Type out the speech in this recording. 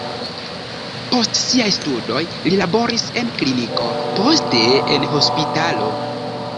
Post siaj studoj li laboris en kliniko, poste en hospitalo.